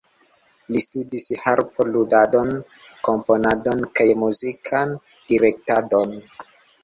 Li studis harpo-ludadon, komponadon kaj muzikan direktadon.